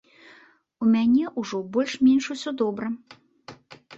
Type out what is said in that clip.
У мяне ўжо больш-менш усё добра.